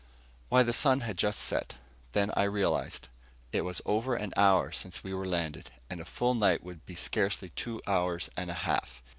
Why, the sun had just set. Then I realized. It was over an hour since we had landed, and a full night would be scarcely two hours and a half.